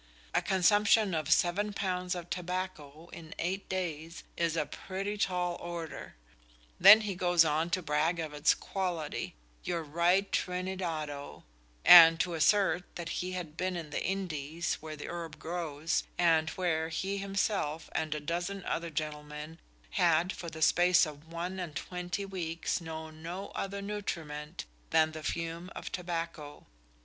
A consumption of seven pounds of tobacco in eight days is a pretty "tall order"! Then he goes on to brag of its quality your right Trinidado and to assert that he had been in the Indies, where the herb grows, and where he himself and a dozen other gentlemen had for the space of one and twenty weeks known no other nutriment than the fume of tobacco.